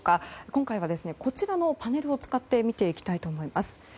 今回は、こちらのパネルを使って見ていきたいと思います。